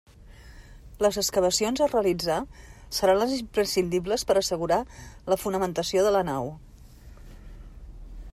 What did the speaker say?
Les excavacions a realitzar seran les imprescindibles per a assegurar la fonamentació de la nau.